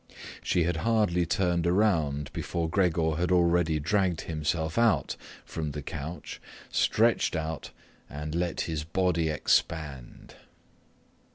She had hardly turned around before Gregor had already dragged himself out from the couch, stretched out, and let his body expand.